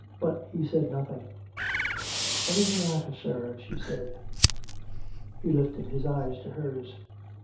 But he said nothing. " What is the matter, sir ?" she said. He lifted his eyes to hers.